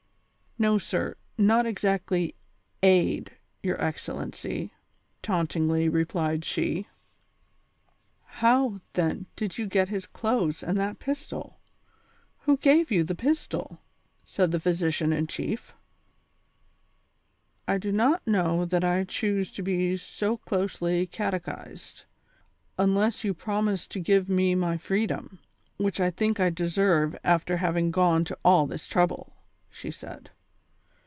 " Xo, sir ; not exactly ' aid,' your excellency," tauntingly replied she. " IIow, then, did j'ou get his clothes and tliat pistol ? Who gave you the pistol ?" said the physician in chief. "• I do not know that I choose to be so closely catechised, unless you promise to give me my freedom, which I think I deserve after having gone to all this trouble," she said.